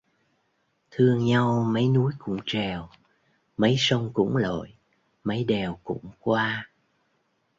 Thương nhau mấy núi cũng trèo, mấy sông cũng lội mấy đèo cũng qua